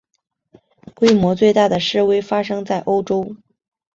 规模最大的示威发生在欧洲。